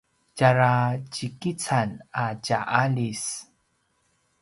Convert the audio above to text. tjara djikican a tja aljis